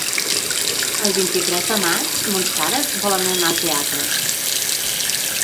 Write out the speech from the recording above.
El vint-i-tres de maig mons pares volen anar al teatre.